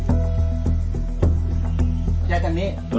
โอเคแค่นั้นนะ